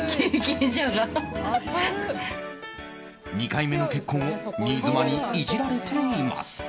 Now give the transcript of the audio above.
２回目の結婚を新妻にイジられています。